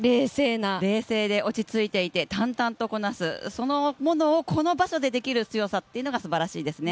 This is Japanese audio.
冷静で落ち着いていて、淡々とこなす、そのものをこの場所でできる強さっていうのがすばらしいですね。